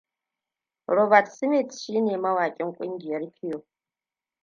Robert Smith shine mawakin kungiyar Cure.